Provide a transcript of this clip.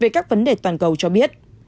về các vấn đề toàn cầu cho biết